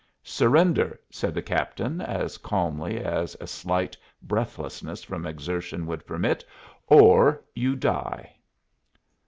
"Surrender," said the captain as calmly as a slight breathlessness from exertion would permit, "or you die."